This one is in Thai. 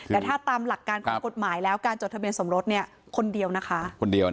แต่ถ้าตามหลักการความคุดหมายแล้วการจดทะเบียนส่งลด